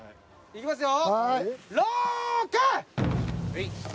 いきますよ。